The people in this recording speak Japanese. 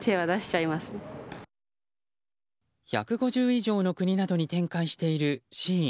１５０以上の国などに展開しているＳＨＥＩＮ。